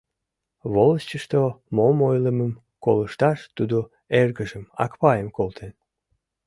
Волостьышто мом ойлымым колышташ тудо эргыжым, Акпайым, колтен.